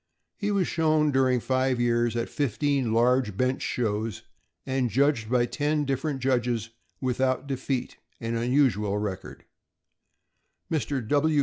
He was shown, during five years, at fifteen large bench shows and judged by ten different judges without defeat — an unusual record. Mr.